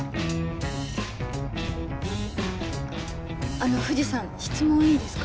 あの藤さん質問いいですか？